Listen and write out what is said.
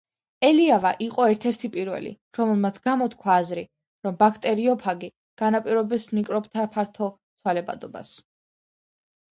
ელიავა იყო ერთ-ერთი პირველი, რომელმაც გამოთქვა აზრი, რომ ბაქტერიოფაგი განაპირობებს მიკრობთა ფართო ცვალებადობას.